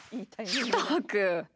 ったく！